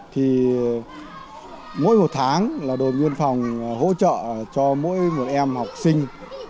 thì mỗi một tháng là đồn biên phòng hỗ trợ cho mỗi một em học sinh